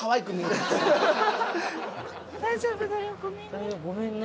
大丈夫だよごめんね。